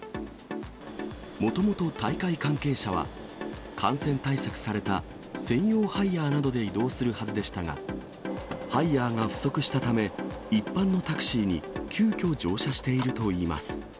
もともと大会関係者は、感染対策された専用ハイヤーなどで移動するはずでしたが、ハイヤーが不足したため、一般のタクシーに急きょ、乗車しているといいます。